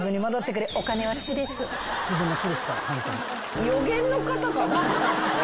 自分の血ですからホントに。